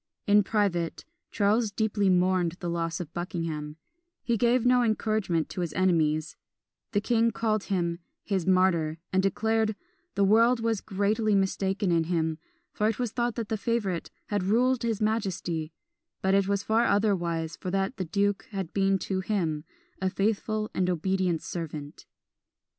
In private, Charles deeply mourned the loss of Buckingham; he gave no encouragement to his enemies: the king called him "his martyr," and declared "the world was greatly mistaken in him; for it was thought that the favourite had ruled his majesty, but it was far otherwise; for that the duke had been to him a faithful and an obedient servant."